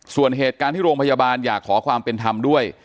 ส่วนเหตุการณ์ที่โรงพยาบาลอยากขอความเป็นธรรมด้วย